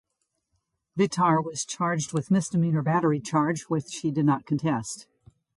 Vitar was charged with misdemeanor battery charge which he did not contest.